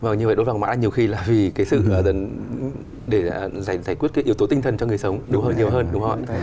vâng như vậy đốt vàng mã nhiều khi là vì cái sự để giải quyết cái yếu tố tinh thần cho người sống nhiều hơn